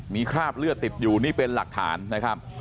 มีคราบเลือดติดอยู่นี่เป็นหลักฐานนะครับ